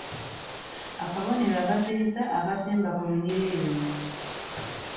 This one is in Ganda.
Akabonero akasirisa akasemba ku lunyiriri luno.